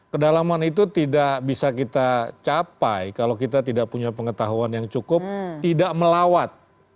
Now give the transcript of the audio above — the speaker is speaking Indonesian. kedalaman itu tidak bisa kita capai kalau kita tidak punya pengetahuan yang cukup tidak melawat